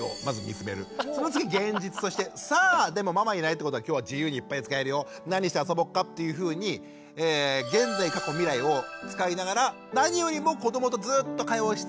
その次現実として「さあでもママいないってことは今日は自由にいっぱい使えるよ何して遊ぼっか」っていうふうに現在過去未来を使いながら何よりも子どもとずっと会話をし続けて見守るってこと。